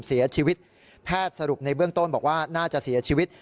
เสียชีวิตแพทย์สรุปในเบื้องต้นบอกว่าน่าจะเสียชีวิต